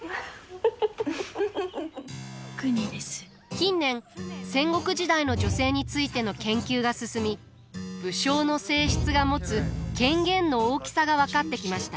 近年戦国時代の女性についての研究が進み武将の正室が持つ権限の大きさが分かってきました。